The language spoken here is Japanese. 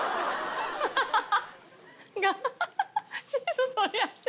ハハハハ。